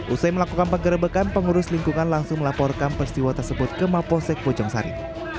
usai melakukan penggerebekan pengurus lingkungan langsung melaporkan peristiwa tersebut ke maposek bojong sari